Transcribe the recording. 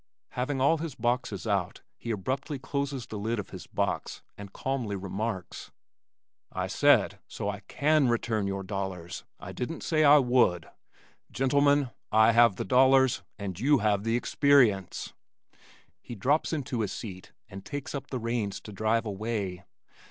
Having all his boxes out he abruptly closes the lid of his box and calmly remarks, "I said, 'so that I can return your dollars,' I didn't say I would. Gentlemen, I have the dollars and you have the experience." He drops into his seat and takes up the reins to drive away.